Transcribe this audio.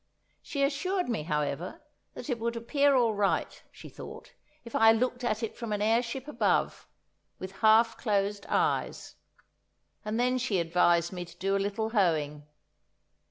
She assured me, however, that it would appear all right, she thought, if I looked at it from an airship above, with half closed eyes. And then she advised me to do a little hoeing.